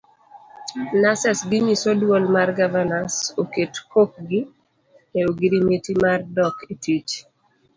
Nurses ginyiso duol mar governors oket kokgi e ogirimiti mar dok etich.